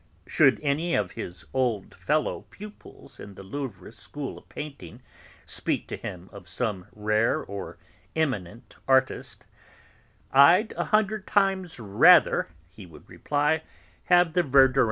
Should any of his old fellow pupils in the Louvre school of painting speak to him of some rare or eminent artist, "I'd a hundred times rather," he would reply, "have the Verdurins."